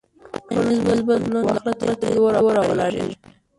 ټولنیز بدلون د وخت له تېرېدو راولاړېږي.